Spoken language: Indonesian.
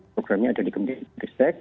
programnya ada di kemendikbutristek